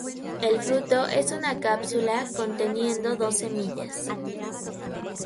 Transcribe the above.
El fruto es una cápsula conteniendo dos semillas.